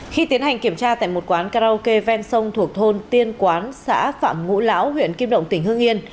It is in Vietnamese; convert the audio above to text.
khi tiến hành kiểm tra tại một quán karaoke ven sông thuộc thôn tiên quán xã phạm ngũ lão huyện kim động tỉnh hương yên